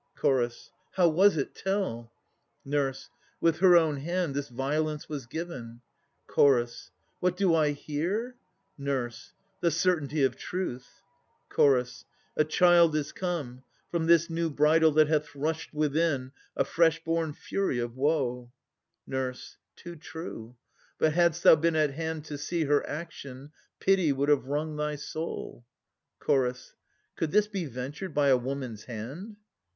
CH. How was it? Tell! NUR. With her own hand this violence was given. CH. What do I hear? NUR. The certainty of truth. CH. A child is come, From this new bridal that hath rushed within, A fresh born Fury of woe! NUR. Too true. But hadst thou been at hand to see Her action, pity would have wrung thy soul. CH. Could this be ventured by a woman's hand?